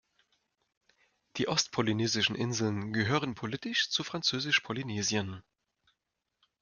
Die ostpolynesischen Inseln gehören politisch zu Französisch-Polynesien.